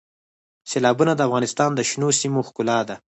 سیلابونه د افغانستان د شنو سیمو ښکلا ده.